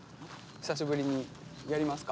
久しぶりにやりますか。